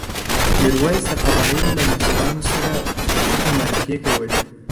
میرویس د قبایلو له مشرانو سره پټې مرکې کولې.